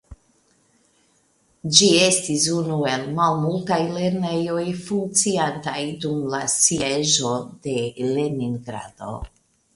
Ĝi estis unu el malmultaj lernejoj funkciantaj dum la Sieĝo de Leningrado.